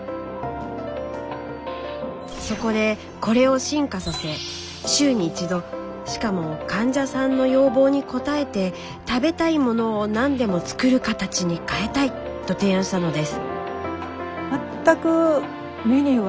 そこでこれを進化させ週に１度しかも患者さんの要望に応えて食べたいものを何でも作る形に変えたい！と提案したのです。